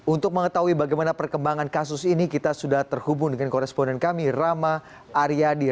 untuk mengetahui bagaimana perkembangan kasus ini kita sudah terhubung dengan koresponden kami rama aryadi